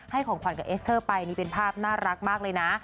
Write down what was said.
ของขวัญกับเอสเตอร์ไปนี่เป็นภาพน่ารักมากเลยนะ